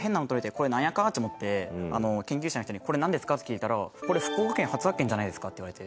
これなんやか？と思って研究者の人に「これなんですか？」って聞いたら「これ福岡県初発見じゃないですか」って言われて。